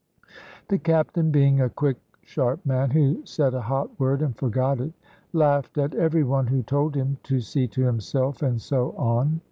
The Captain being a quick sharp man, who said a hot word and forgot it, laughed at every one who told him to see to himself; and so on.